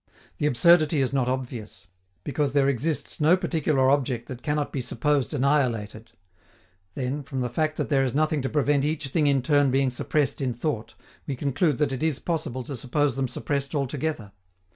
The absurdity is not obvious, because there exists no particular object that cannot be supposed annihilated; then, from the fact that there is nothing to prevent each thing in turn being suppressed in thought, we conclude that it is possible to suppose them suppressed altogether.